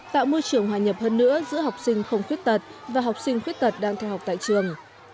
tạo môi trường hòa nhập hơn nữa giữa học sinh không khuyết tật và học sinh khuyết tật đang theo học tại trường